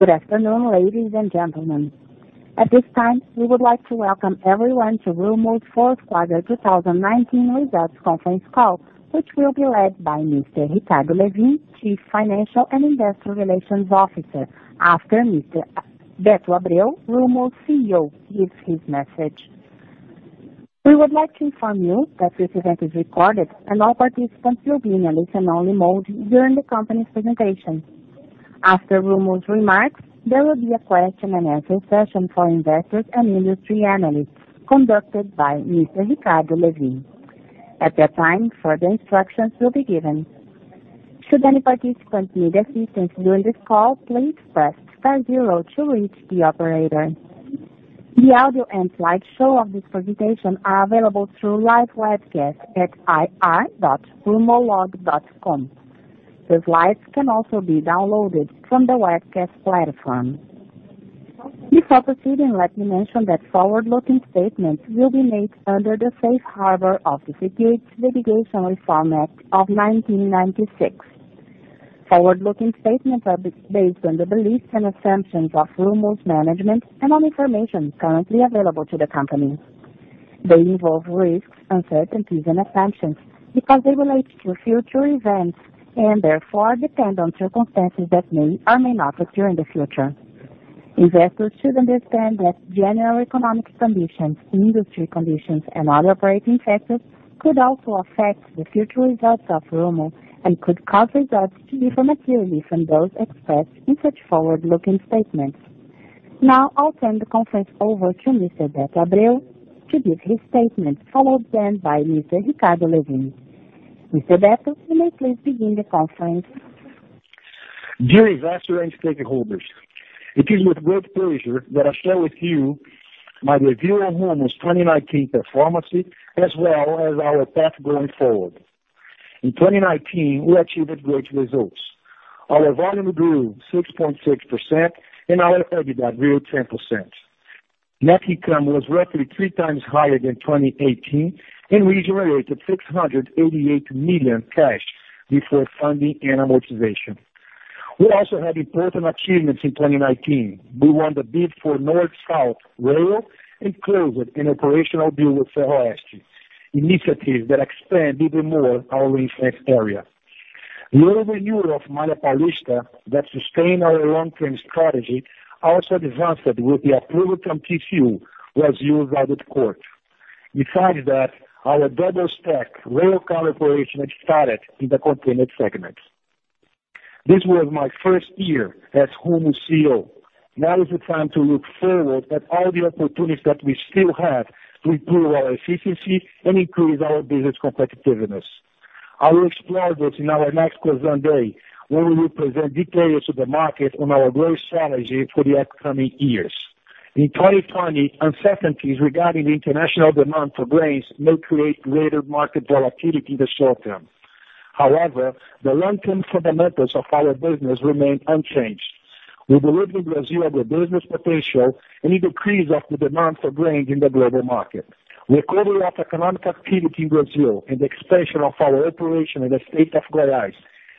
Good afternoon, ladies and gentlemen. At this time, we would like to welcome everyone to Rumo's fourth quarter 2019 results conference call, which will be led by Mr. Ricardo Lewin, Chief Financial and Investor Relations Officer, after Mr. Beto Abreu, Rumo's CEO, gives his message. We would like to inform you that this event is recorded and all participants will be in a listen-only mode during the company's presentation. After Rumo's remarks, there will be a question and answer session for investors and industry analysts conducted by Mr. Ricardo Lewin. At that time, further instructions will be given. Should any participant need assistance during this call, please press star zero to reach the operator. The audio and slideshow of this presentation are available through live webcast at ir.rumolog.com. The slides can also be downloaded from the webcast platform. Before proceeding, let me mention that forward-looking statements will be made under the Safe Harbor of the Securities Litigation Reform Act of 1996. Forward-looking statements are based on the beliefs and assumptions of Rumo's management and on information currently available to the company. They involve risks, uncertainties, and assumptions because they relate to future events and therefore depend on circumstances that may or may not occur in the future. Investors should understand that general economic conditions, industry conditions, and other operating factors could also affect the future results of Rumo and could cause results to differ materially from those expressed in such forward-looking statements. I'll turn the conference over to Mr. Beto Abreu to give his statement, followed then by Mr. Ricardo Lewin. Mr. Beto, you may please begin the conference. Dear investors and stakeholders. It is with great pleasure that I share with you my review on Rumo's 2019 performance as well as our path going forward. In 2019, we achieved great results. Our volume grew 6.6%, and our EBITDA grew 10%. Net income was roughly three times higher than 2018, and we generated 688 million cash before funding and amortization. We also had important achievements in 2019. We won the bid for North-South Railway and closed an operational bid with Ferroeste, initiatives that expand even more our influence area. The revenue of Malha Paulista that sustain our long-term strategy also advanced with the approval from TCU was used by the court. Besides that, our double stack railcar operation started in the containment segment. This was my first year as Rumo's CEO. Now is the time to look forward at all the opportunities that we still have to improve our efficiency and increase our business competitiveness. I will explore this in our next Keystone day, where we will present details to the market on our growth strategy for the upcoming years. In 2020, uncertainties regarding international demand for grains may create greater market volatility in the short term. However, the long-term fundamentals of our business remain unchanged. We believe in Brazil the business potential, any decrease of the demand for grain in the global market. Recovery of economic activity in Brazil and the expansion of our operation in the state of Goiás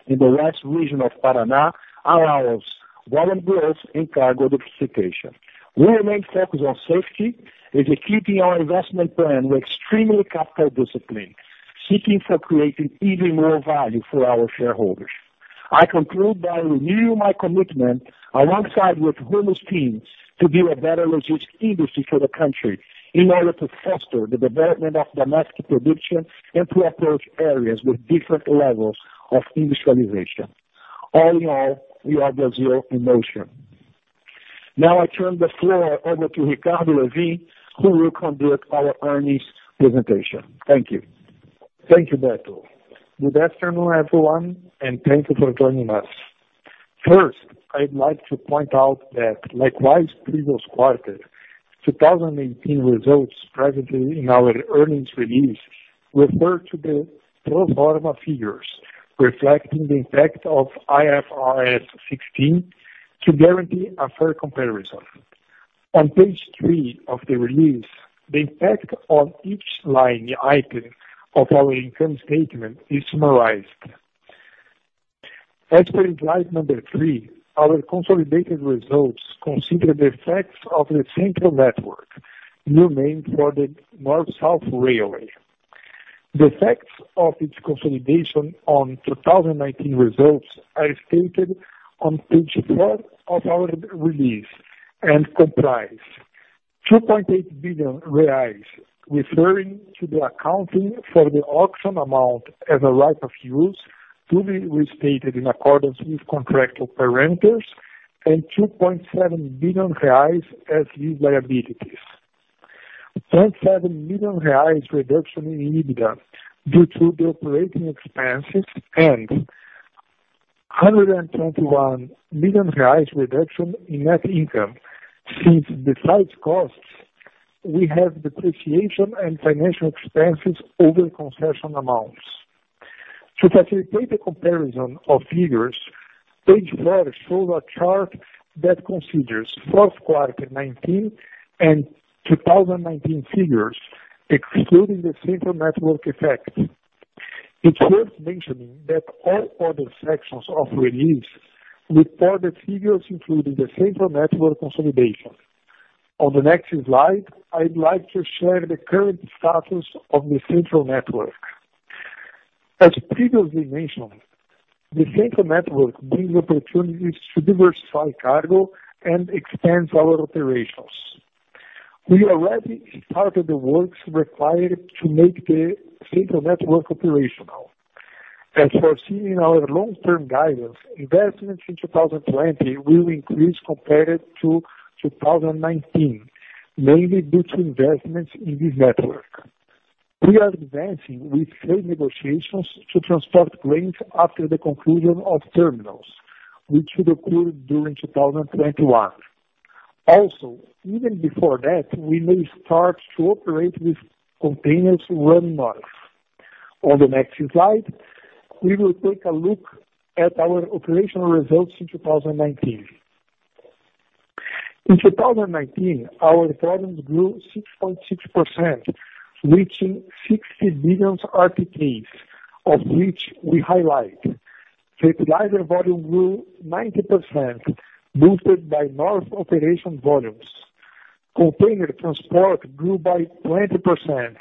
in the west region of Paraná allows volume growth and cargo diversification. We remain focused on safety, executing our investment plan with extremely capital discipline, seeking for creating even more value for our shareholders. I conclude by renewing my commitment alongside with Rumo's teams to be a better logistics industry for the country in order to foster the development of domestic production and to approach areas with different levels of industrialization. All in all, we are Brazil in motion. Now I turn the floor over to Ricardo Lewin, who will conduct our earnings presentation. Thank you. Thank you, Beto. Good afternoon, everyone, and thank you for joining us. First, I'd like to point out that likewise previous quarter, 2019 results presented in our earnings release refer to the pro forma figures reflecting the impact of IFRS 16 to guarantee a fair comparison. On page three of the release, the impact on each line item of our income statement is summarized. As per slide number three, our consolidated results consider the effects of the Central Network, new name for the North-South Railway. The effects of its consolidation on 2019 results are stated on page four of our release and comprise 2.8 billion reais, referring to the accounting for the auction amount as a right of use to be restated in accordance with contractual parameters and 2.7 billion reais as new liabilities. 0.7 million reais reduction in EBITDA due to the operating expenses and 121 million reais reduction in net income. Since the site costs, we have depreciation and financial expenses over concession amounts. To facilitate the comparison of figures, page four shows a chart that considers fourth quarter 2019 and 2019 figures excluding the Central Network effect. It's worth mentioning that all other sections of release report the figures including the Central Network consolidation. On the next slide, I'd like to share the current status of the Central Network. As previously mentioned, the Central Network brings opportunities to diversify cargo and expands our operations. We already started the works required to make the Central Network operational. As foreseen in our long-term guidance, investments in 2020 will increase compared to 2019, mainly due to investments in this Network. We are advancing with trade negotiations to transport grains after the conclusion of terminals, which should occur during 2021. Even before that, we may start to operate with containers running north. On the next slide, we will take a look at our operational results in 2019. In 2019, our volumes grew 6.6%, reaching 60 billion RTKs, of which we highlight fertilizer volume grew 90%, boosted by north operation volumes. Container transport grew by 20%,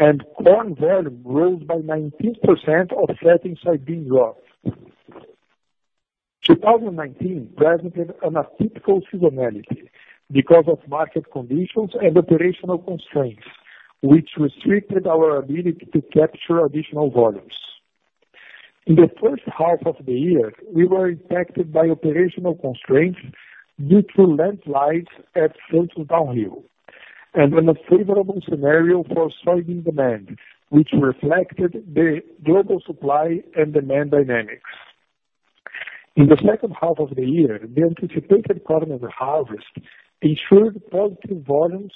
and corn volume rose by 19%, offsetting soybean drop. 2019 presented an atypical seasonality because of market conditions and operational constraints, which restricted our ability to capture additional volumes. In the first half of the year, we were impacted by operational constraints due to landslides at Santo Antonio, and an unfavorable scenario for soybean demand, which reflected the global supply and demand dynamics. In the second half of the year, the anticipated corn harvest ensured positive volumes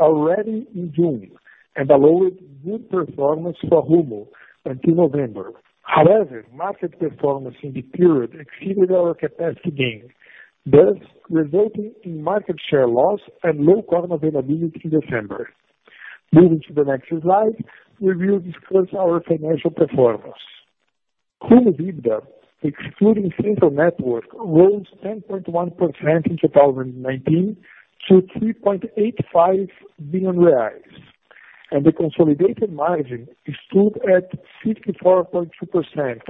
already in June and allowed good performance for Rumo until November. Market performance in the period exceeded our capacity building, thus resulting in market share loss and low corn availability in December. Moving to the next slide, we will discuss our financial performance. Rumo EBITDA, excluding Central Network, rose 10.1% in 2019 to 3.85 billion reais, and the consolidated margin stood at 54.2%,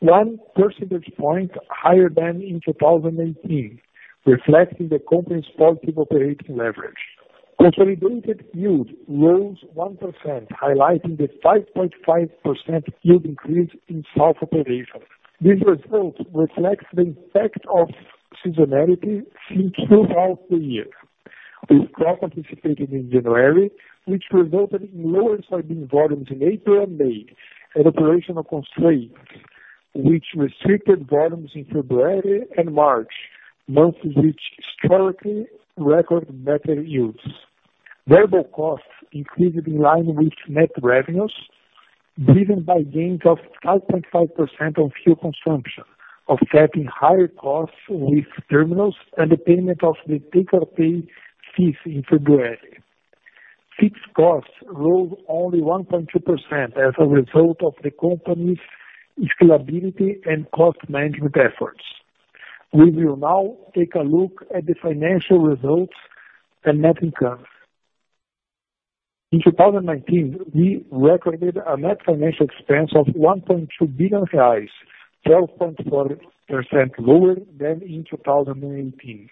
one percentage point higher than in 2018, reflecting the company's positive operating leverage. Consolidated yield rose 1%, highlighting the 5.5% yield increase in south operations. This result reflects the effect of seasonality seen throughout the year, with crop anticipated in January, which resulted in lower soybean volumes in April and May, and operational constraints which restricted volumes in February and March, months which historically record better yields. Variable costs increased in line with net revenues, driven by gains of 5.5% on fuel consumption, offsetting higher costs with terminals and the payment of the take-or-pay fees in February. Fixed costs rose only 1.2% as a result of the company's scalability and cost management efforts. We will now take a look at the financial results and net income. In 2019, we recorded a net financial expense of 1.2 billion reais, 12.4% lower than in 2018.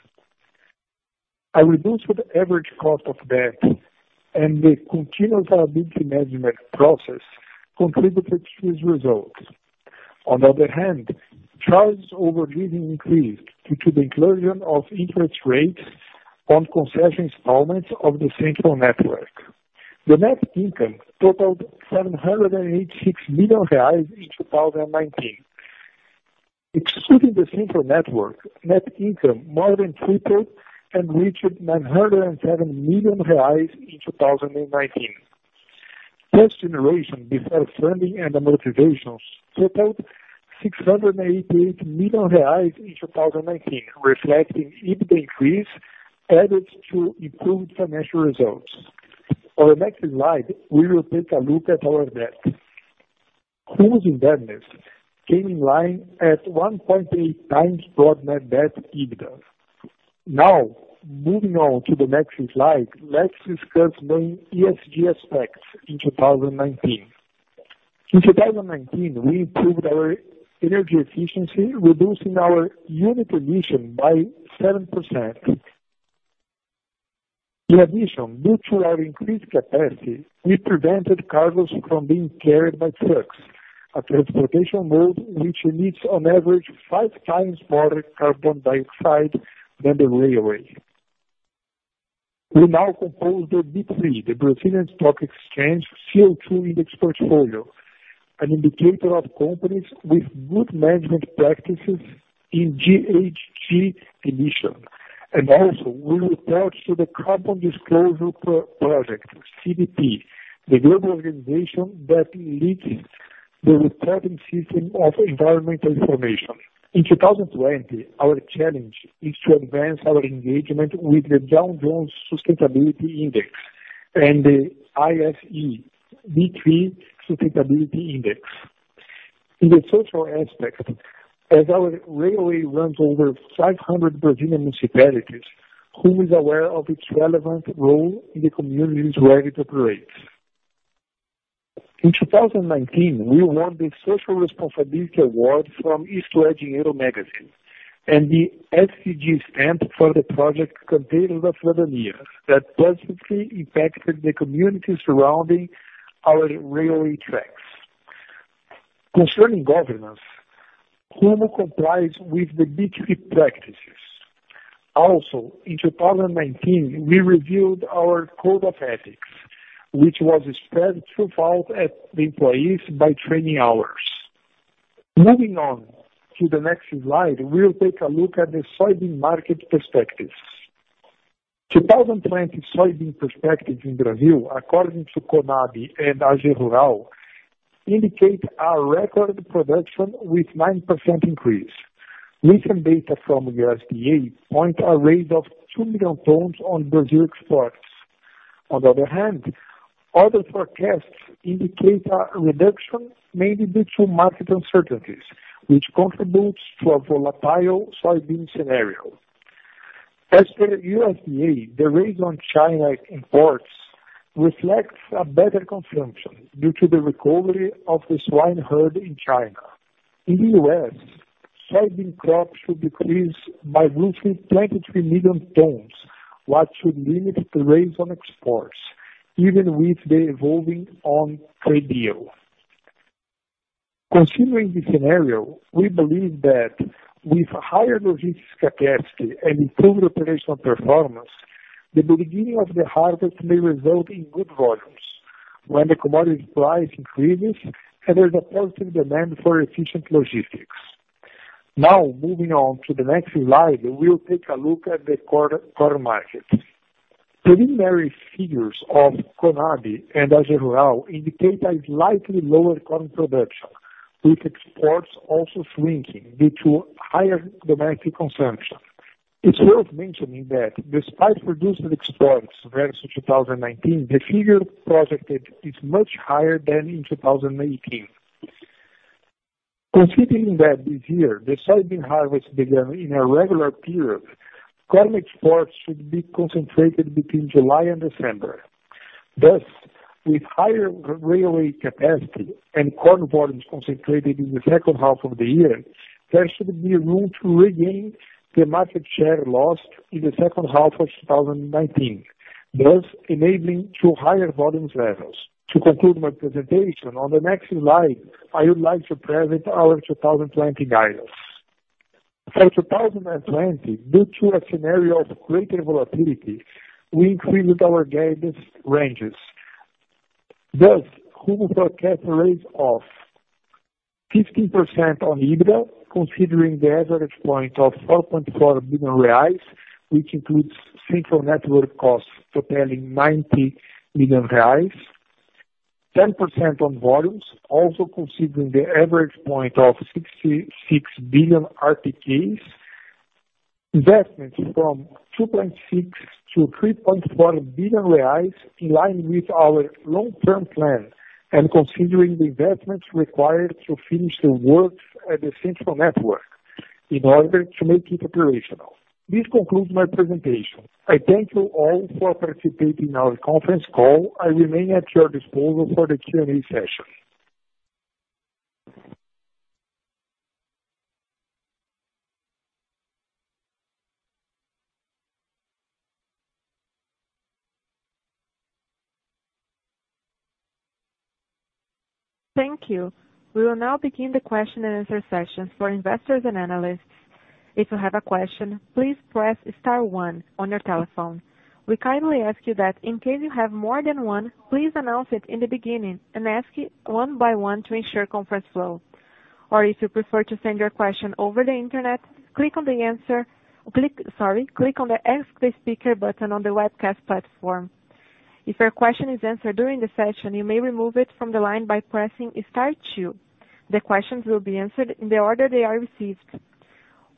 A reduced average cost of debt and the continuous liability management process contributed to this result. On the other hand, charges over leaving increased due to the inclusion of interest rates on concession installments of the Central Network. The net income totaled 786 million reais in 2019. Excluding the Central Network, net income more than tripled and reached 907 million reais in 2019. Cash generation before funding and amortizations totaled 688 million reais in 2019, reflecting EBITDA increase added to improved financial results. On the next slide, we will take a look at our debt. Rumo's indebtedness came in line at 1.8 times pro forma debt EBITDA. Moving on to the next slide, let's discuss main ESG aspects in 2019. In 2019, we improved our energy efficiency, reducing our unit emission by 7%. In addition, due to our increased capacity, we prevented cargoes from being carried by trucks, a transportation mode which emits on average five times more carbon dioxide than the railway. We now compose the B3, the Brazilian Stock Exchange CO2 Index Portfolio, an indicator of companies with good management practices in GHG emission. We report to the Carbon Disclosure Project, CDP, the global organization that leads the reporting system of environmental information. In 2020, our challenge is to advance our engagement with the Dow Jones Sustainability Index and the ISE B3 Sustainability Index. In the social aspect, as our railway runs over 500 Brazilian municipalities, Rumo is aware of its relevant role in the communities where it operates. In 2019, we won the Social Responsibility Award from IstoÉ Dinheiro Magazine, and the SDG stamp for the project Contêiner da Fraternidade, that positively impacted the community surrounding our railway tracks. Concerning governance, Rumo complies with the B3 practices. Also, in 2019, we reviewed our code of ethics, which was spread throughout the employees by training hours. Moving on to the next slide, we'll take a look at the soybean market perspectives. 2020 soybean perspectives in Brazil, according to CONAB and AgRural, indicate a record production with 9% increase. Recent data from USDA point a raise of 2 million tons on Brazil exports. On the other hand, other forecasts indicate a reduction mainly due to market uncertainties, which contributes to a volatile soybean scenario. As per USDA, the raise on China imports reflects a better consumption due to the recovery of the swine herd in China. In the U.S., soybean crops should decrease by roughly 23 million tons, which should limit the raise on exports, even with the evolving on trade deal. Considering this scenario, we believe that with higher logistics capacity and improved operational performance, the beginning of the harvest may result in good volumes when the commodity price increases and there's a positive demand for efficient logistics. Now, moving on to the next slide, we'll take a look at the corn market. Preliminary figures of CONAB and AgRural indicate a slightly lower corn production, with exports also shrinking due to higher domestic consumption. It's worth mentioning that despite reduced exports versus 2019, the figure projected is much higher than in 2018. Considering that this year, the soybean harvest began in a regular period, corn exports should be concentrated between July and December. Thus, with higher railway capacity and corn volumes concentrated in the second half of the year, there should be room to regain the market share lost in the second half of 2019, thus enabling to higher volumes levels. To conclude my presentation, on the next slide, I would like to present our 2020 guidance. For 2020, due to a scenario of greater volatility, we increased our guidance ranges. Thus, Rumo forecasts a raise of 15% on EBITDA, considering the average point of 4.4 billion reais, which includes Central Network costs totaling 90 million reais, 10% on volumes, also considering the average point of 66 billion RTKs. Investments from 2.6 billion-3.1 billion reais in line with our long-term plan, and considering the investments required to finish the works at the Central Network in order to make it operational. This concludes my presentation. I thank you all for participating in our conference call. I remain at your disposal for the Q&A session. Thank you. We will now begin the question and answer session for investors and analysts. If you have a question, please press star one on your telephone. We kindly ask you that in case you have more than one, please announce it in the beginning and ask it one by one to ensure conference flow. If you prefer to send your question over the Internet, click on the Ask the Speaker button on the webcast platform. If your question is answered during the session, you may remove it from the line by pressing star two. The questions will be answered in the order they are received.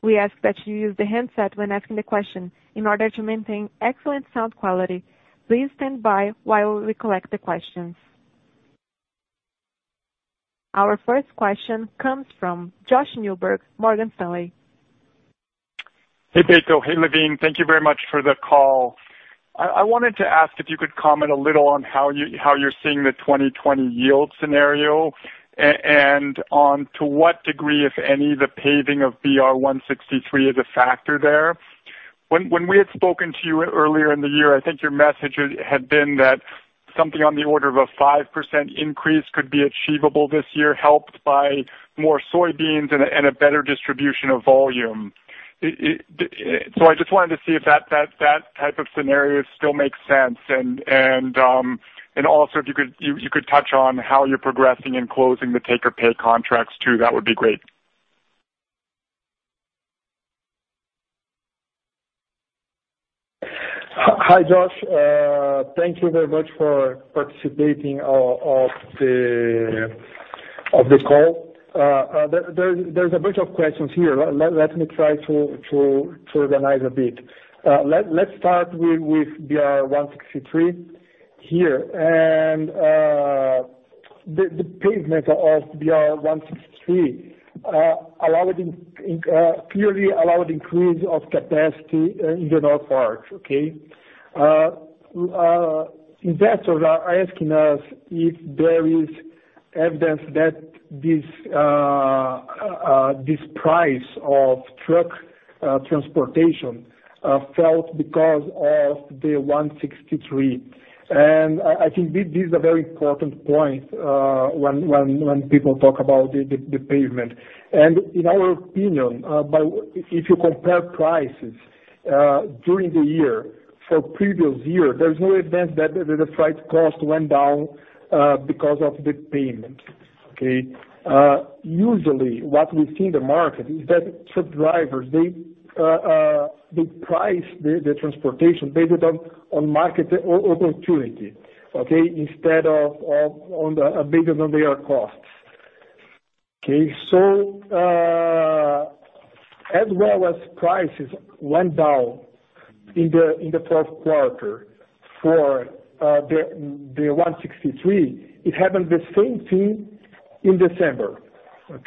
We ask that you use the handset when asking the question. In order to maintain excellent sound quality, please stand by while we collect the questions. Our first question comes from Josh Milberg, Morgan Stanley. Hey, Beto. Hey, Lewin. Thank you very much for the call. I wanted to ask if you could comment a little on how you're seeing the 2020 yield scenario and on to what degree, if any, the paving of BR-163 is a factor there. When we had spoken to you earlier in the year, I think your message had been that something on the order of a 5% increase could be achievable this year, helped by more soybeans and a better distribution of volume. I just wanted to see if that type of scenario still makes sense, and also if you could touch on how you're progressing in closing the take-or-pay contracts too. That would be great. Hi, Josh. Thank you very much for participating of the call. There's a bunch of questions here. Let me try to organize a bit. Let's start with BR-163. Here. The pavement of BR-163 clearly allowed increase of capacity in the Northern Arc. Okay? Investors are asking us if there is evidence that this price of truck transportation fell because of the 163. I think this is a very important point when people talk about the pavement. In our opinion, if you compare prices during the year for previous year, there's no evidence that the freight cost went down because of the pavement. Okay? Usually, what we see in the market is that truck drivers, they price the transportation based on market opportunity, instead of on the basis of their costs. Okay? As well as prices went down in the fourth quarter for the 163, it happened the same thing in December for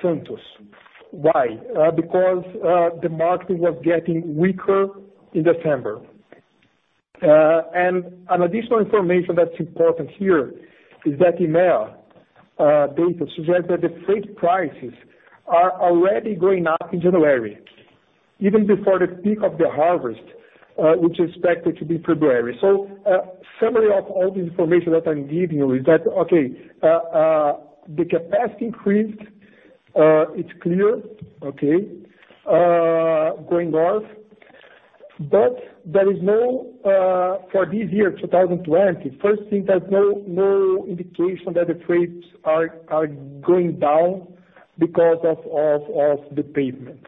Santos. Why? Because the market was getting weaker in December. Additional information that is important here is that Imea data suggests that the freight prices are already going up in January, even before the peak of the harvest, which is expected to be February. A summary of all the information that I am giving you is that the capacity increased, it is clear. Going north. For this year, 2020, first thing, there is no indication that the freights are going down because of the pavement.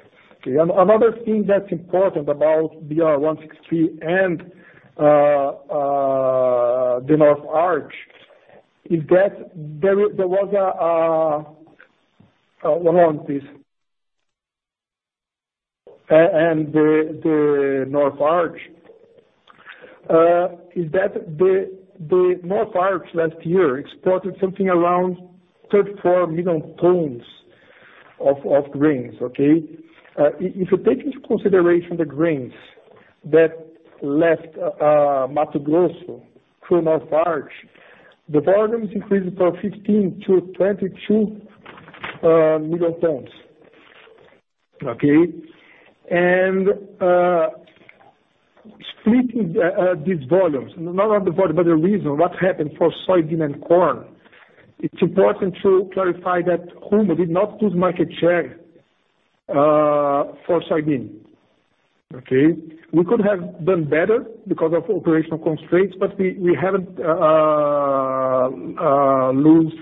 Another thing that is important about BR-163 and the Northern Arc is that the Northern Arc last year exported around 34 million tons of grains. If you take into consideration the grains that left Mato Grosso through Northern Arc, the volumes increased from 15 to 22 million tons. Splitting these volumes, not only the volume, but the reason what happened for soybean and corn, it is important to clarify that Rumo did not lose market share for soybean. Okay? We could have done better because of operational constraints, but we haven't lose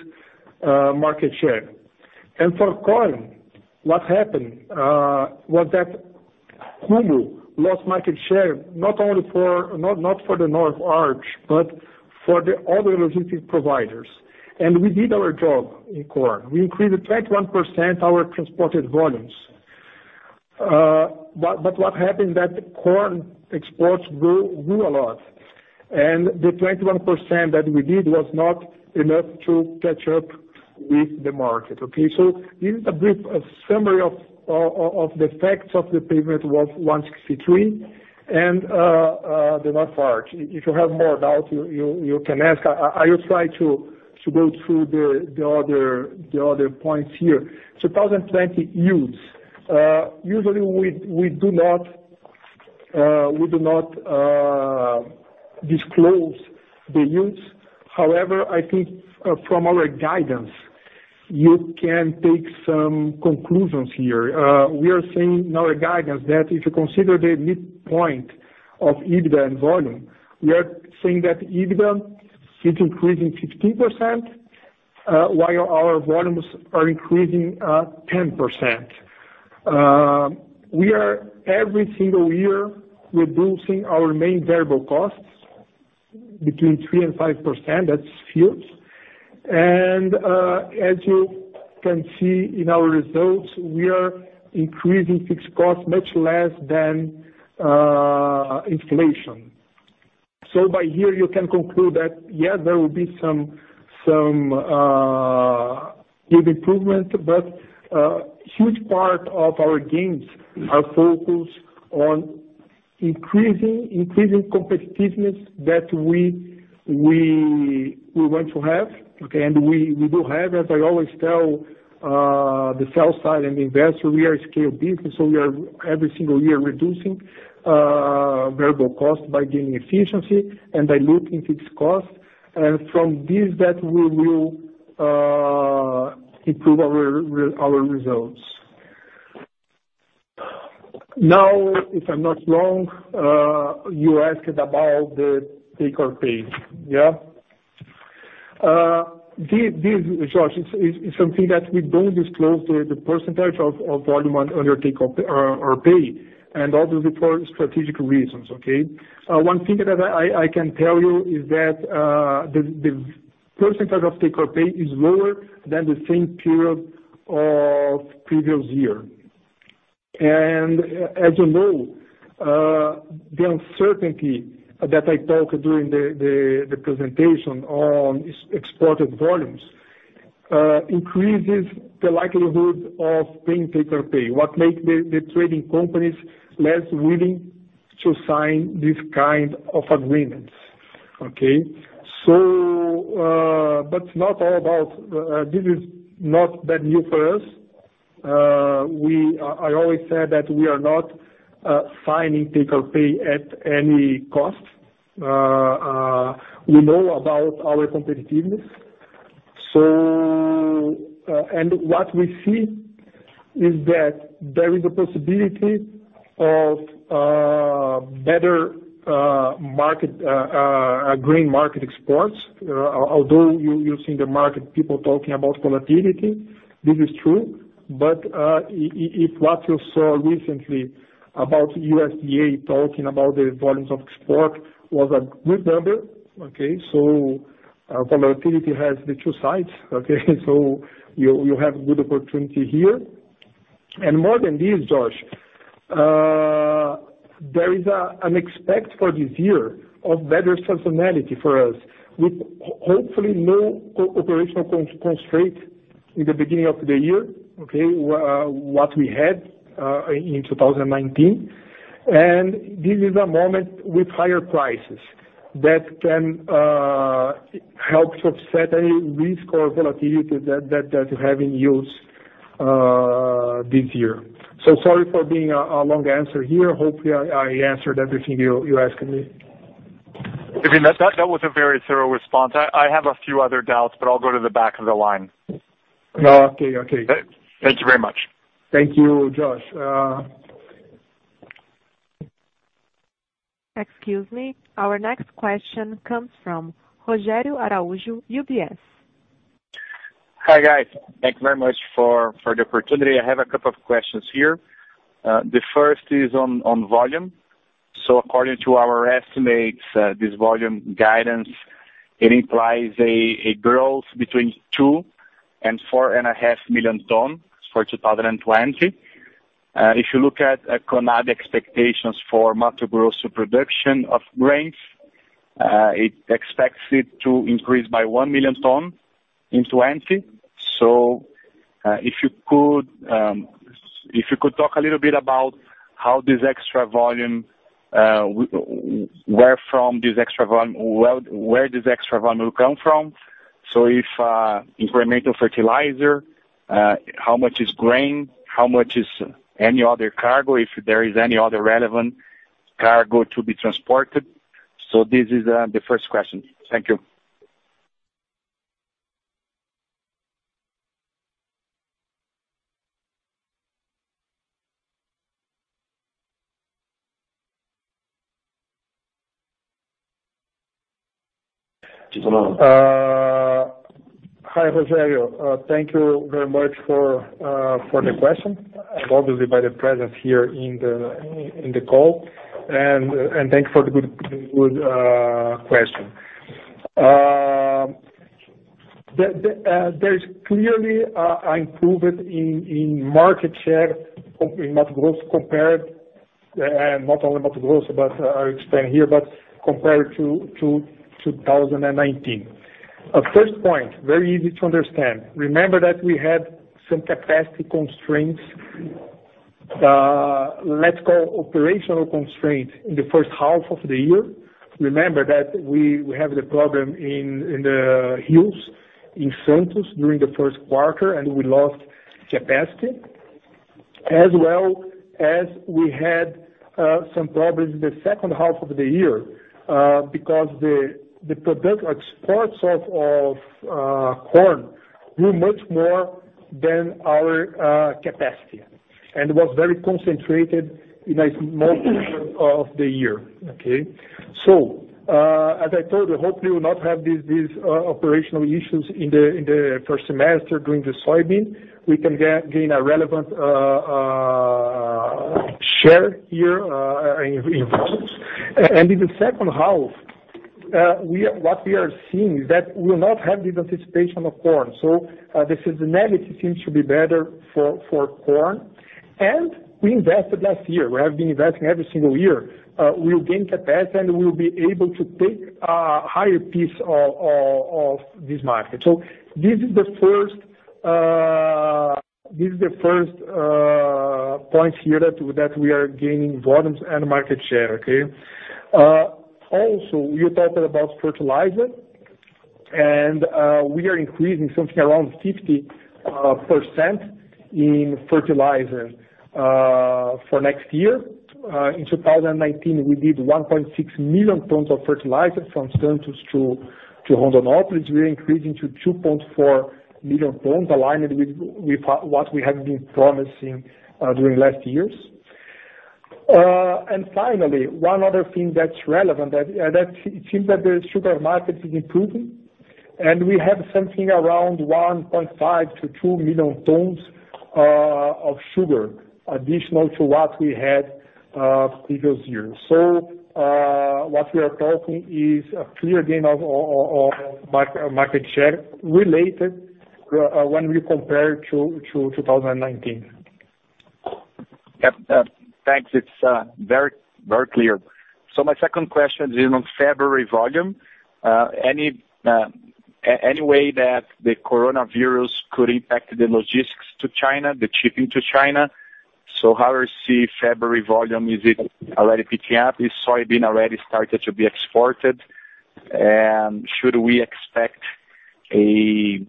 market share. For corn, what happened was that Rumo lost market share, not for the Northern Arc, but for the other logistic providers. We did our job in corn. We increased 21% our transported volumes. What happened is that corn exports grew a lot, and the 21% that we did was not enough to catch up with the market. Okay? So this is a brief summary of the effects of the pavement of 163 and the Northern Arc. If you have more doubt, you can ask. I will try to go through the other points here. 2020 yields. Usually, we do not disclose the yields. I think from our guidance, you can take some conclusions here. We are saying in our guidance that if you consider the midpoint of EBITDA and volume, we are saying that EBITDA is increasing 15%, while our volumes are increasing 10%. We are every single year reducing our main variable costs between 3% and 5%, that's fuels. As you can see in our results, we are increasing fixed costs much less than inflation. By here, you can conclude that, yes, there will be some good improvement, but a huge part of our gains are focused on increasing competitiveness that we want to have, and we do have, as I always tell the sell side and the investor, we are a scale business, so we are every single year reducing variable cost by gaining efficiency and by looking fixed cost. From this, that we will improve our results. Now, if I'm not wrong, you asked about the take-or-pay. Yeah. This, Josh, is something that we don't disclose the percentage of volume on your take-or-pay, and also the poor strategic reasons. Okay? One thing that I can tell you is that the percentage of take-or-pay is lower than the same period of previous year. As you know, the uncertainty that I talked during the presentation on exported volumes, increases the likelihood of paying take-or-pay, what make the trading companies less willing to sign this kind of agreements. Okay? This is not bad news for us. I always said that we are not signing take-or-pay at any cost. We know about our competitiveness. What we see is that there is a possibility of better grain market exports. Although you're seeing the market, people talking about volatility. This is true, if what you saw recently about USDA talking about the volumes of export was a good number. Volatility has the two sides. You have good opportunity here. More than this, Josh, there is an expectation for this year of better seasonality for us, with hopefully no operational constraint in the beginning of the year, what we had in 2019. This is a moment with higher prices that can help to offset any risk or volatility that you have this year. Sorry for being a long answer here. Hopefully, I answered everything you asked me. That was a very thorough response. I have a few other doubts, but I'll go to the back of the line. Okay? Thank you very much. Thank you, Josh. Excuse me. Our next question comes from Rogério Araújo, UBS. Hi, guys. Thank you very much for the opportunity. I have a couple of questions here. The first is on volume. According to our estimates, this volume guidance, it implies a growth between two and four and a half million tons for 2020. If you look at CONAB expectations for Mato Grosso production of grains, it expects it to increase by 1 million tons in 2020. If you could talk a little bit about how this extra volume, where this extra volume will come from. If incremental fertilizer, how much is grain? How much is any other cargo, if there is any other relevant cargo to be transported? This is the first question. Thank you. Hi, Rogério. Thank you very much for the question, and obviously by the presence here in the call, and thank you for the good question. There's clearly an improvement in market share in Mato Grosso compared, not only Mato Grosso, but I'll explain here, but compared to 2019. First point, very easy to understand. Remember that we had some capacity constraints, let's call operational constraint in the first half of the year. Remember that we have the problem in the hills in Santos during the first quarter, and we lost capacity. As well as we had some problems in the second half of the year, because the product exports of corn grew much more than our capacity and was very concentrated in a small portion of the year. Okay? As I told you, hopefully we'll not have these operational issues in the first semester during the soybean. We can gain a relevant share here in volumes. In the second half, what we are seeing is that we will not have the participation of corn. The seasonality seems to be better for corn. We invested last year. We have been investing every single year. We'll gain capacity and we'll be able to take a higher piece of this market. This is the first point here, that we are gaining volumes and market share, okay? Also, you talked about fertilizer, and we are increasing something around 50% in fertilizer for next year. In 2019, we did 1.6 million tons of fertilizer from Santos to Rondonópolis. We're increasing to 2.4 million tons, aligned with what we have been promising during last years. Finally, one other thing that's relevant, that it seems that the sugar market is improving, and we have something around 1.5 million-2 million tons of sugar, additional to what we had previous year. What we are talking is a clear gain of market share related when we compare to 2019. Yeah. Thanks. It's very clear. My second question is on February volume. Any way that the coronavirus could impact the logistics to China, the shipping to China? How is February volume? Is it already picking up? Is soybean already started to be exported? Should we expect a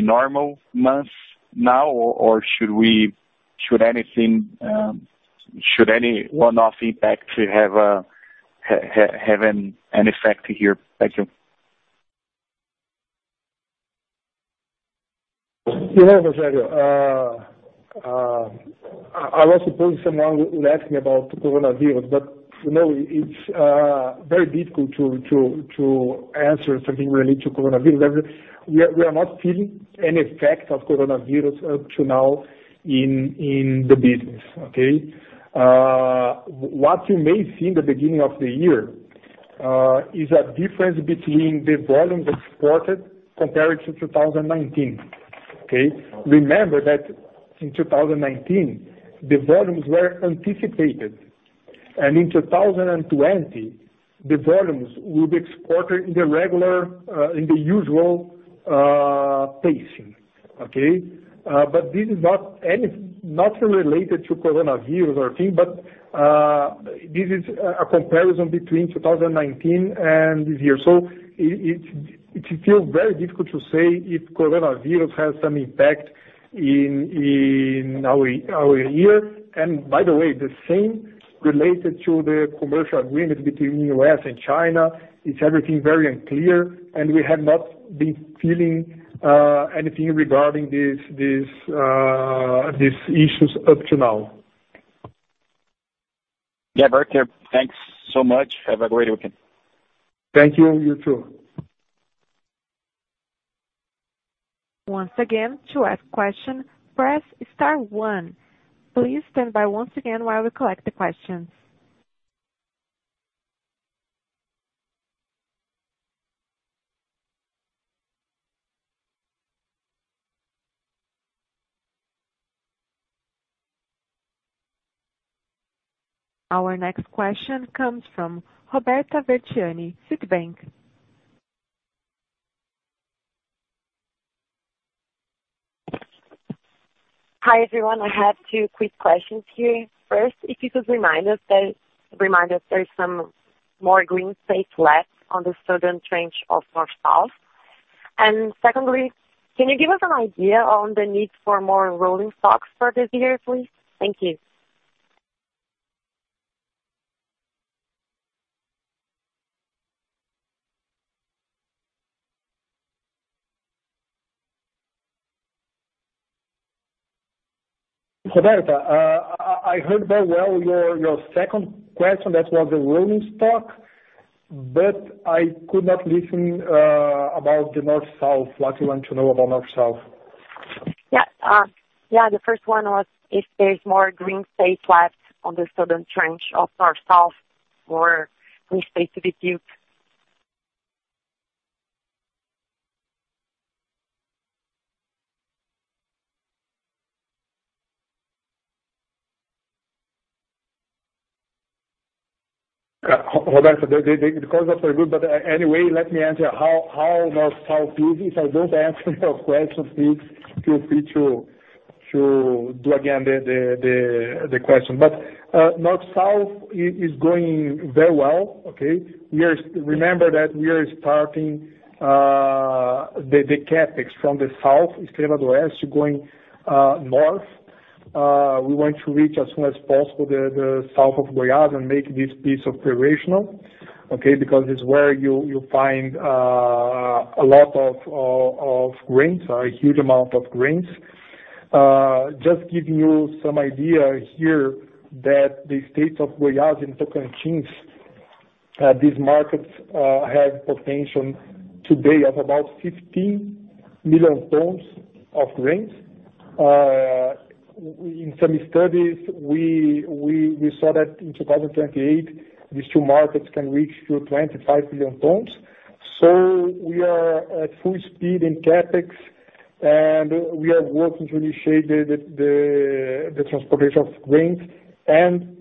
normal month now, or should any one-off impact have an effect here? Thank you. You know, Rogério, I was supposed someone will ask me about coronavirus, but it's very difficult to answer something related to coronavirus. We are not feeling any effect of coronavirus up to now in the business. Okay? What you may see in the beginning of the year, is a difference between the volume exported compared to 2019. Okay? Remember that in 2019, the volumes were anticipated, and in 2020, the volumes will be exported in the usual pacing. Okay? This is not related to coronavirus or anything, but this is a comparison between 2019 and this year. It feels very difficult to say if coronavirus has some impact in our year. By the way, the same related to the commercial agreement between U.S. and China. It's everything very unclear, and we have not been feeling anything regarding these issues up to now. Yeah, very clear. Thanks so much. Have a great weekend. Thank you, and you too. Once again, to ask question, press star one. Please stand by once again while we collect the questions. Our next question comes from Roberta Vecchione, Citibank. Hi, everyone. I have two quick questions here. First, if you could remind us there's some more green space left on the southern trench of North-South. Secondly, can you give us an idea on the need for more rolling stocks for this year, please? Thank you. Roberta, I heard very well your second question, that was the rolling stock. I could not listen about the North-South. What you want to know about North-South? Yeah. The first one was if there's more green space left on the southern trench of North-South, or we stay to be duped. Roberta, the calls are very good, anyway, let me answer how North South is. If I don't answer your question, please feel free to do again the question. North South is going very well. Okay? Remember that we are starting the CapEx from the south, Esmeraldas, to going north. We want to reach, as soon as possible, the south of Goiás and make this piece operational, okay? Because it's where you'll find a lot of grains, a huge amount of grains. Just giving you some idea here that the states of Goiás and Tocantins, these markets have potential today of about 15 million tons of grains. In some studies, we saw that in 2028, these two markets can reach to 25 million tons. We are at full speed in CapEx, and we are working to initiate the transportation of grains and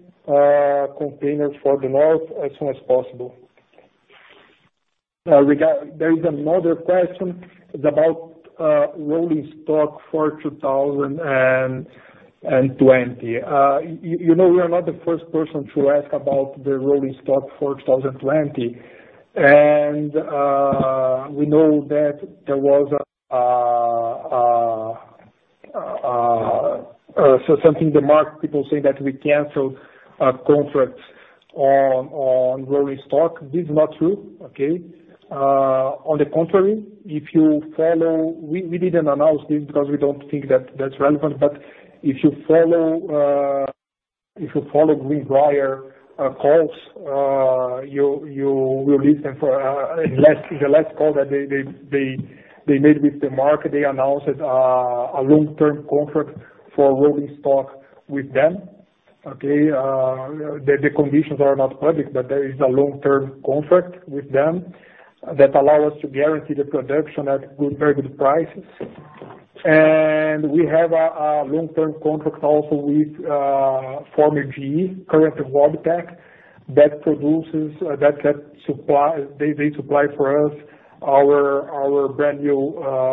containers for the north as soon as possible. There is another question. It's about rolling stock for 2020. You know, you are not the first person to ask about the rolling stock for 2020. We know that there was something the market people say that we canceled a contract on rolling stock. This is not true, okay? On the contrary, we didn't announce this because we don't think that that's relevant. If you follow Greenbrier calls, you will listen for in the last call that they made with the market, they announced a long-term contract for rolling stock with them. Okay? The conditions are not public, but there is a long-term contract with them that allow us to guarantee the production at very good prices. We have a long-term contract also with former GE, current Wabtec. They supply for us our brand new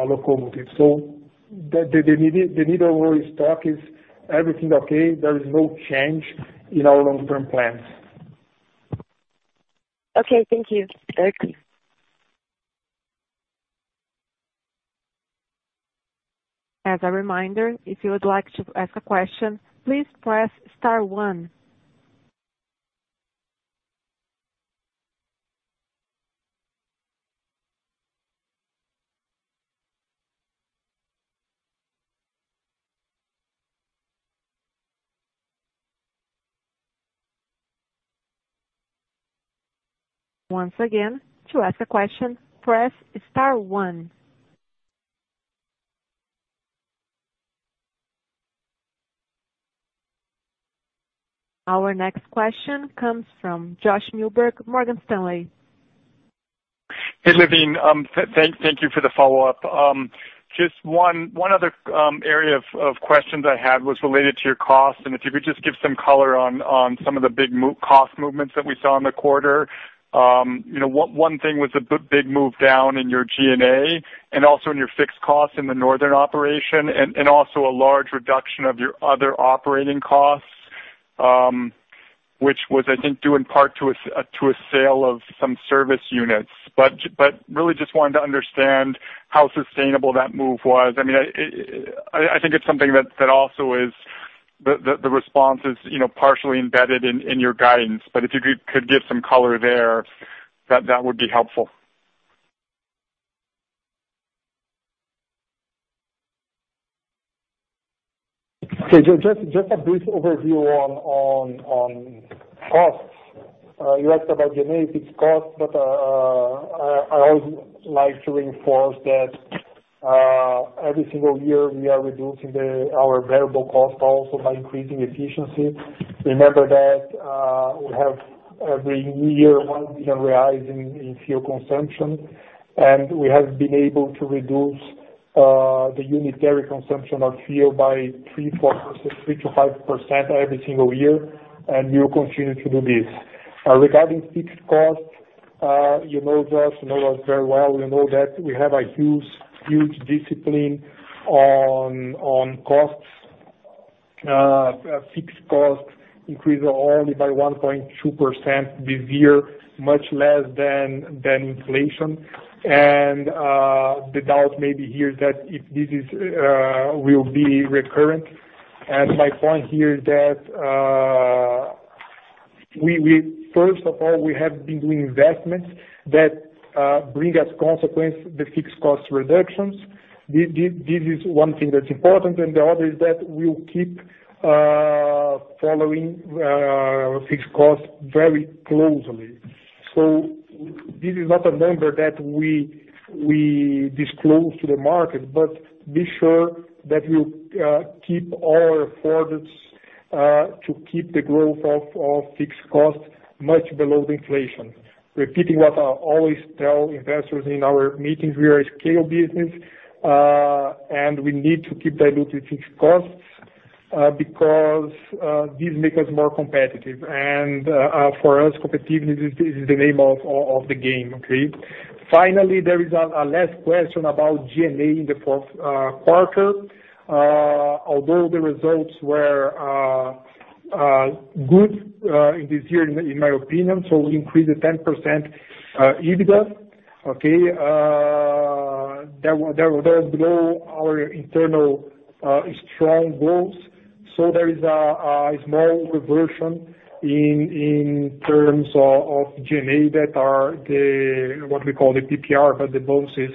locomotive. The need of rolling stock is everything okay? There is no change in our long-term plans. Okay, thank you. Very clear. As a reminder, if you would like to ask a question, please press star one. Once again, to ask a question, press star one. Our next question comes from Josh Milberg, Morgan Stanley. Hey, Lewin. Thank you for the follow-up. Just one other area of questions I had was related to your cost, and if you could just give some color on some of the big cost movements that we saw in the quarter. One thing was a big move down in your G&A and also in your fixed costs in the Northern operation and also a large reduction of your other operating costs, which was, I think, due in part to a sale of some service units. Really just wanted to understand how sustainable that move was. I think it's something that also the response is partially embedded in your guidance. If you could give some color there, that would be helpful. Okay. Just a brief overview on costs. You asked about G&A fixed costs. I always like to reinforce that every single year, we are reducing our variable cost also by increasing efficiency. Remember that we have every new year, 1 billion reais in fuel consumption. We have been able to reduce the unitary consumption of fuel by 3%-5% every single year. We will continue to do this. Regarding fixed costs, you know us very well. You know that we have a huge discipline on costs. Fixed costs increased only by 1.2% this year, much less than inflation. The doubt may be here that if this will be recurrent. My point here is that, first of all, we have been doing investments that bring as consequence the fixed cost reductions. This is one thing that's important. The other is that we will keep following fixed costs very closely. This is not a number that we disclose to the market. Be sure that we'll keep all our efforts to keep the growth of fixed costs much below the inflation. Repeating what I always tell investors in our meetings, we are a scale business. We need to keep diluting fixed costs, because this makes us more competitive. For us, competitiveness is the name of the game, okay? Finally, there is a last question about G&A in the fourth quarter. Although the results were good this year, in my opinion, we increased 10% EBITDA. Okay? That was below our internal strong goals. There is a small reversion in terms of G&A that are what we call the PPR, but the bonuses,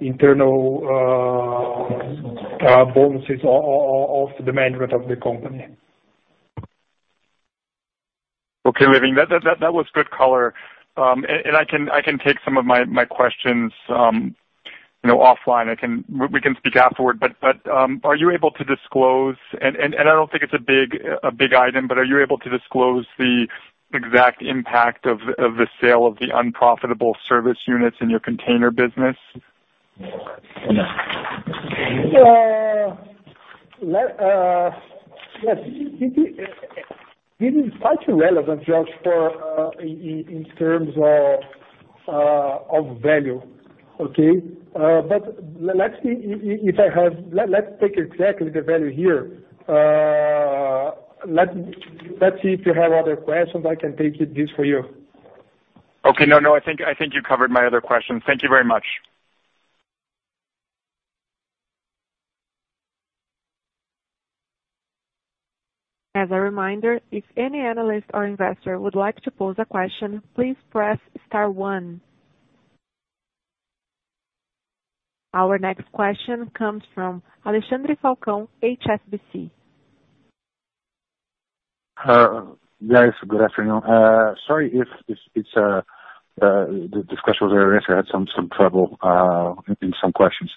internal bonuses of the management of the company. Okay, Lewin. That was good color. I can take some of my questions offline. We can speak afterward. Are you able to disclose, and I don't think it's a big item, but are you able to disclose the exact impact of the sale of the unprofitable service units in your container business? Yes. This is quite irrelevant, Josh, in terms of value, okay? Let's take exactly the value here. Let's see if you have other questions, I can take this for you. Okay. No, I think you covered my other questions. Thank you very much. As a reminder, if any analyst or investor would like to pose a question, please press star one. Our next question comes from Alexandre Falcão, HSBC. Guys, good afternoon. Sorry if this question was already asked. I had some trouble in some questions.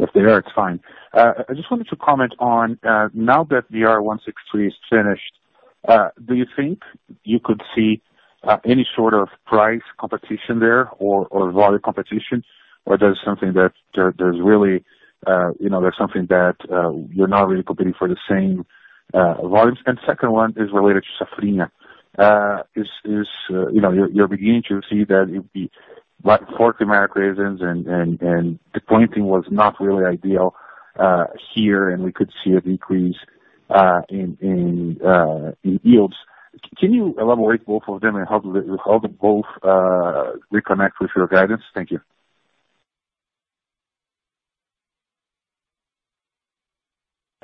If they are, it's fine. I just wanted to comment on, now that the BR-163 is finished, do you think you could see any sort of price competition there or volume competition, or there's something that you're not really competing for the same volumes? Second one is related to Safrinha. You're beginning to see that it'd be like poor climatic reasons and the planting was not really ideal here, and we could see a decrease in yields. Can you elaborate both of them and how they both reconnect with your guidance? Thank you.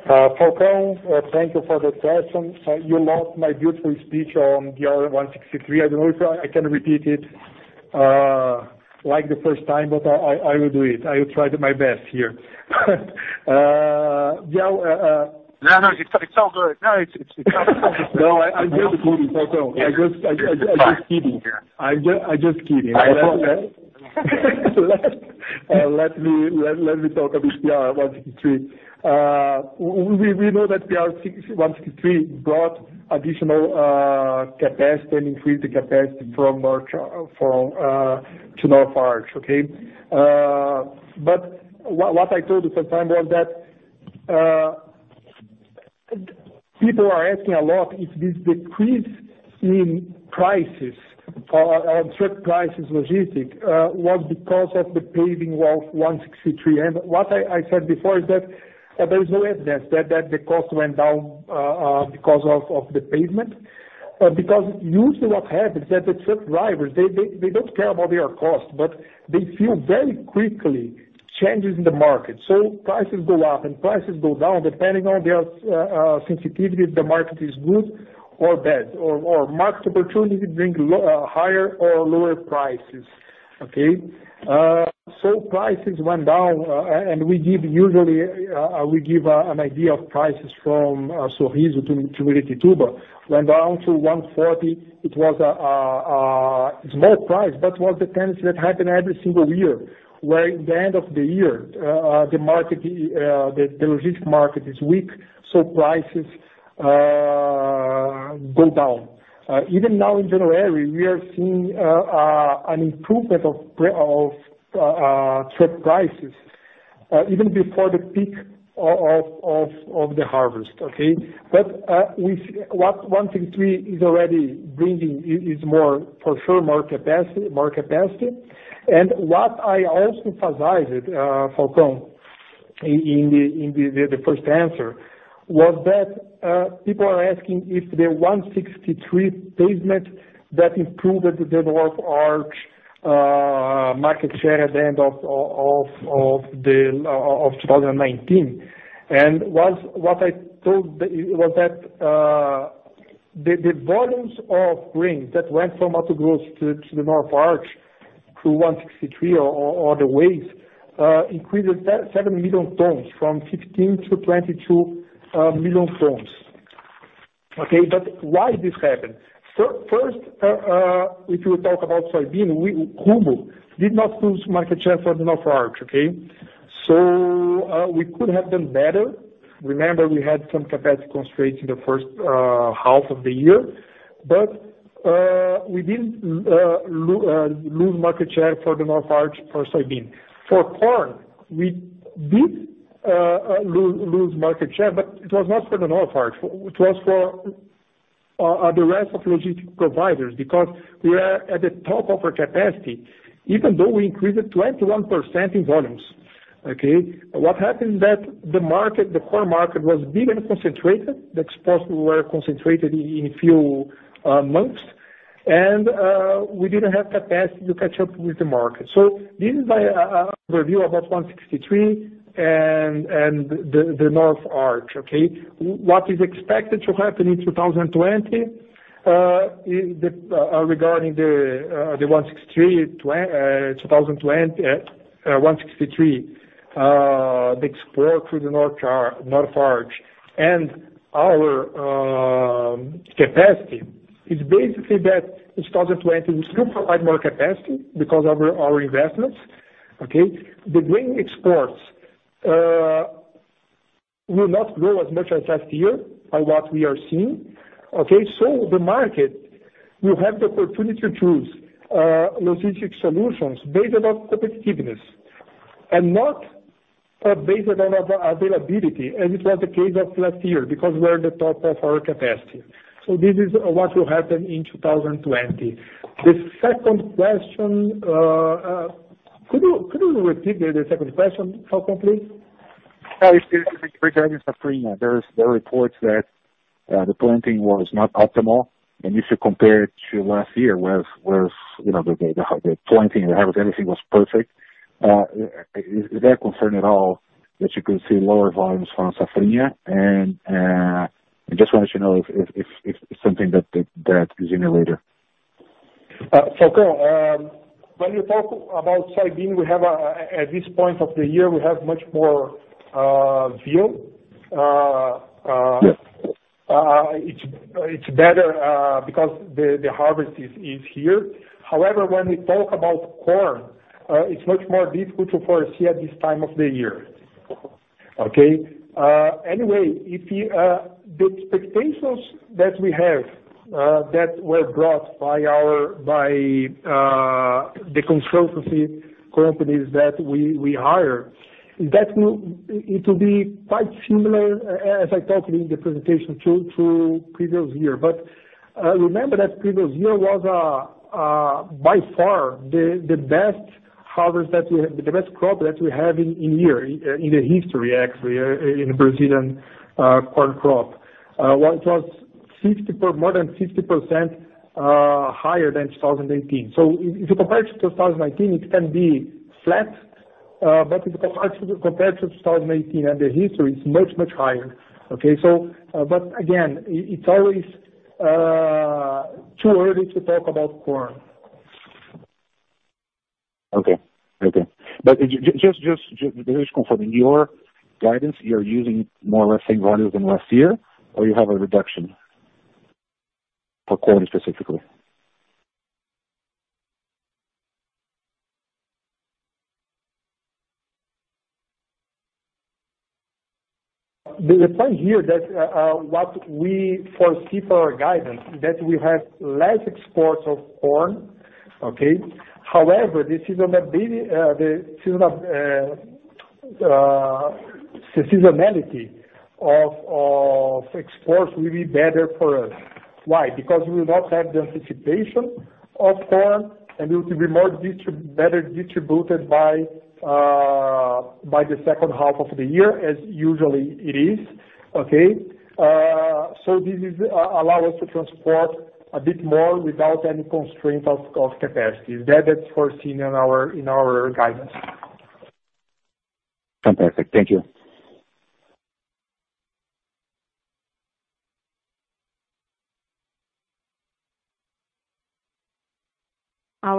Falcão, thank you for the question. You loved my beautiful speech on the BR-163. I don't know if I can repeat it like the first time, but I will do it. I will try my best here. No, it's all good. No, I hear you Falcão. I'm just kidding. Yeah. I'm just kidding. Let me talk about the BR-163. We know that the BR-163 brought additional capacity, increased the capacity to Northern Arc. Okay? What I told you sometime was that people are asking a lot if this decrease in prices or truck prices logistic, was because of the paving of 163. What I said before is that there's no evidence that the cost went down because of the pavement. Usually what happens is that the truck drivers, they don't care about their cost, but they feel very quickly changes in the market. Prices go up and prices go down depending on their sensitivity, if the market is good or bad. Market opportunity bring higher or lower prices. Okay? Prices went down, and we give an idea of prices from Rondonópolis to Aratu, went down to 140. It's a low price, but was a tendency that happened every single year, where in the end of the year, the logistic market is weak, so prices go down. Even now in January, we are seeing an improvement of truck prices even before the peak of the harvest. Okay? What BR-163 is already bringing is for sure more capacity. What I also emphasized, Falcão, in the first answer, was that people are asking if the BR-163 pavement that improved the Northern Arc market share at the end of 2019. What I told was that the volumes of grains that went from Mato Grosso to the Northern Arc through BR-163 or other ways, increased 7 million tons from 15 to 22 million tons. Okay? Why this happened? First, if you talk about soybean, Rumo did not lose market share for the Northern Arc, okay? We could have done better. Remember, we had some capacity constraints in the first half of the year. We didn't lose market share for the Northern Arc for soybean. For corn, we did lose market share, it was not for the Northern Arc. It was for the rest of logistics providers because we are at the top of our capacity, even though we increased 21% in volumes. Okay? What happened is that the corn market was big and concentrated. The exports were concentrated in a few months, and we didn't have capacity to catch up with the market. This is my overview about BR-163 and the Northern Arc, okay? What is expected to happen in 2020 regarding the BR-163, the export through the Northern Arc and our capacity, is basically that in 2020, we still provide more capacity because of our investments. Okay? The grain exports will not grow as much as last year by what we are seeing. Okay? The market will have the opportunity to choose logistic solutions based on competitiveness and not based on availability, as it was the case of last year, because we are at the top of our capacity. This is what will happen in 2020. The second question, could you repeat the second question, Falcão, please? It's regarding Safrinha. There are reports that the planting was not optimal, if you compare it to last year, where the planting and harvest, everything was perfect. Is there a concern at all that you could see lower volumes from Safrinha? I just wanted to know if it's something that is in your radar. Falcão, when you talk about soybean, at this point of the year, we have much more view. Yes. It's better because the harvest is here. When we talk about corn, it's much more difficult to foresee at this time of the year. Okay? The expectations that we have, that were brought by the consultancy companies that we hire, it will be quite similar, as I talked in the presentation, to previous year. Remember that previous year was by far the best crop that we have in year, in the history, actually, in Brazilian corn crop. It was more than 50% higher than 2018. If you compare to 2019, it can be flat, but if you compare to 2018 and the history, it's much, much higher. Okay? Again, it's always too early to talk about corn. Just confirming, your guidance, you're using more or less same values than last year, or you have a reduction for corn specifically? The point here that what we foresee for our guidance, that we have less exports of corn. Okay? However, the seasonality of exports will be better for us. Why? Because we will not have the anticipation of corn, and it will be better distributed by the second half of the year, as usually it is. Okay? This allow us to transport a bit more without any constraint of capacity. That is foreseen in our guidance. Fantastic. Thank you.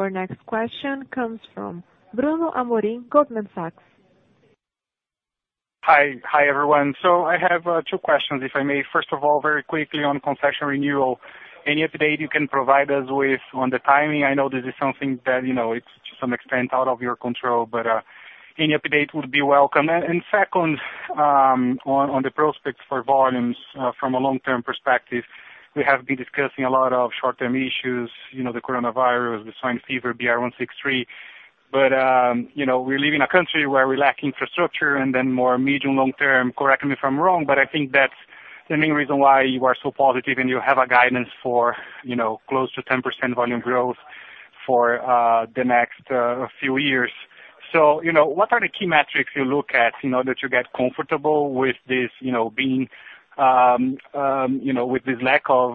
Our next question comes from Bruno Amorim, Goldman Sachs. Hi, everyone. I have two questions, if I may. First of all, very quickly on concession renewal. Any update you can provide us with on the timing? I know this is something that, it's to some extent out of your control, but any update would be welcome. Second, on the prospects for volumes from a long-term perspective, we have been discussing a lot of short-term issues, the coronavirus, the swine fever, BR-163. We live in a country where we lack infrastructure, more medium, long-term, correct me if I'm wrong, but I think that's the main reason why you are so positive and you have a guidance for close to 10% volume growth for the next few years. What are the key metrics you look at, that you get comfortable with this lack of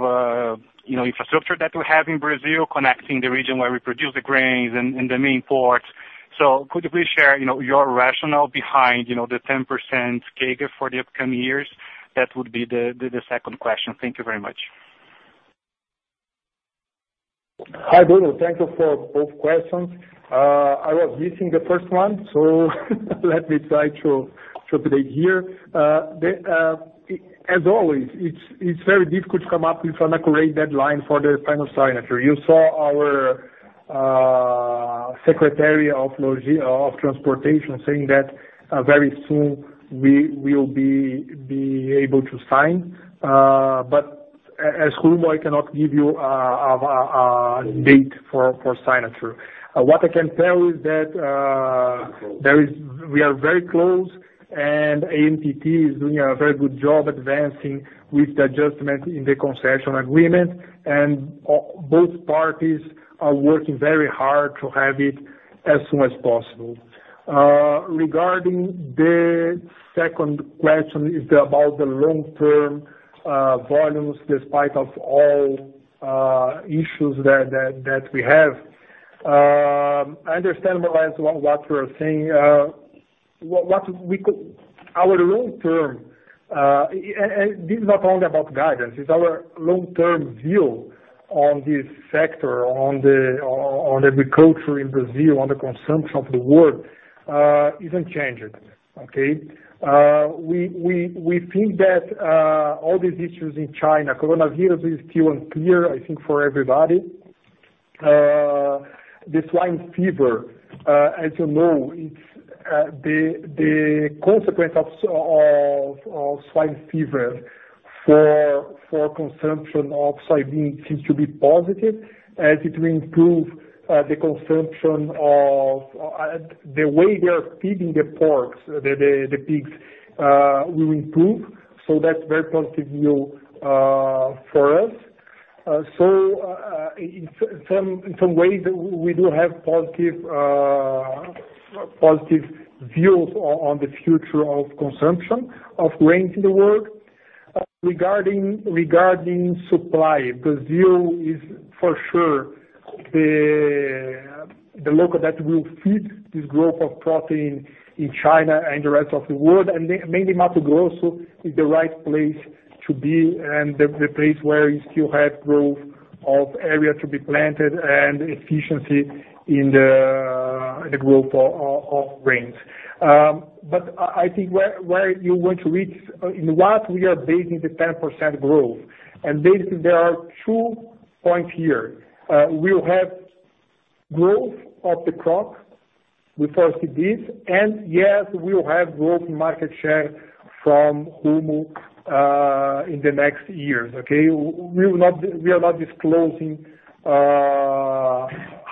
infrastructure that we have in Brazil, connecting the region where we produce the grains and the main ports. Could you please share your rationale behind the 10% CAGR for the upcoming years? That would be the second question. Thank you very much. Hi, Bruno. Thank you for both questions. I was missing the first one, so let me try to update here. As always, it is very difficult to come up with an accurate deadline for the final signature. You saw our Secretary of Transportation saying that very soon we will be able to sign. As Rumo, I cannot give you a date for signature. What I can tell is that. Close. We are very close, and ANTT is doing a very good job advancing with the adjustment in the concession agreement, and both parties are working very hard to have it as soon as possible. Regarding the second question about the long-term volumes, despite of all issues that we have. I understand, Bruno, what you're saying. Our long-term, and this is not only about guidance, it's our long-term view on this sector, on the agriculture in Brazil, on the consumption of the world, isn't changing. Okay? We think that all these issues in China, coronavirus is still unclear, I think, for everybody. The swine fever, as you know, the consequence of swine fever for consumption of soybean seems to be positive as it will improve the way they are feeding the pigs will improve. That's very positive view for us. In some ways, we do have positive views on the future of consumption of grains in the world. Regarding supply, Brazil is for sure the local that will feed this growth of protein in China and the rest of the world, Mato Grosso is the right place to be and the place where you still have growth of area to be planted and efficiency in the growth of grains. I think where you want to reach, in what we are basing the 10% growth, basically there are two points here. We will have growth of the crop, we foresee this, and yes, we will have growth market share from Rumo in the next years. Okay? We are not disclosing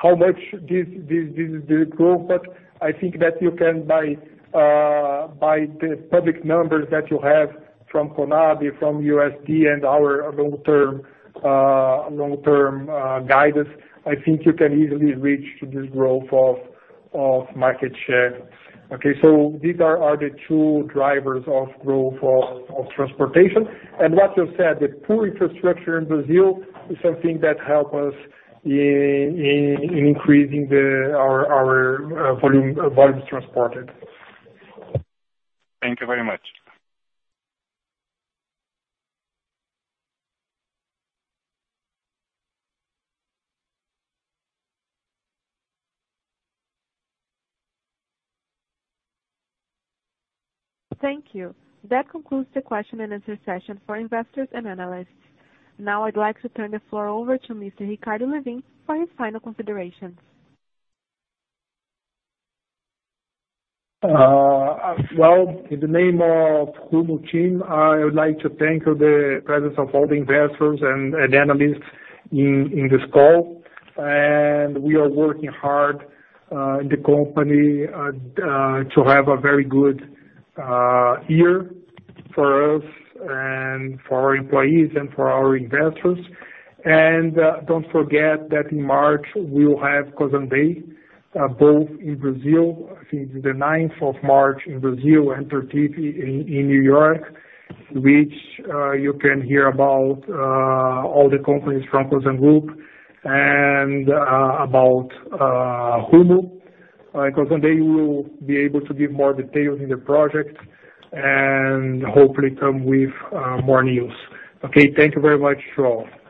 how much this growth. I think that you can, by the public numbers that you have from CONAB, from USDA, and our long-term guidance, I think you can easily reach to this growth of market share. These are the two drivers of growth of transportation. What you said, the poor infrastructure in Brazil is something that help us in increasing our volumes transported. Thank you very much. Thank you. That concludes the question and answer session for investors and analysts. Now I'd like to turn the floor over to Mr. Ricardo Lewin for his final considerations. Well, in the name of Rumo team, I would like to thank the presence of all the investors and analysts in this call. We are working hard in the company to have a very good year for us and for our employees and for our investors. Don't forget that in March we will have Cosan Day, both in Brazil, I think the 9th of March in Brazil, and 13th in N.Y., which you can hear about all the companies from Cosan group and about Rumo. Cosan Day we will be able to give more details in the project and hopefully come with more news. Okay? Thank you very much to all.